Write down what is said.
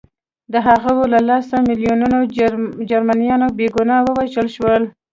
د هغوی له لاسه میلیونونه جرمنان بې ګناه ووژل شول